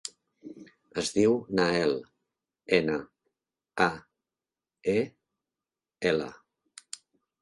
Es diu Nael: ena, a, e, ela.